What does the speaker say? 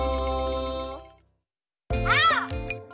あお！